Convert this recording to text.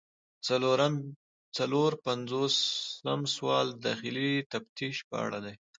څلور پنځوسم سوال د داخلي تفتیش په اړه دی.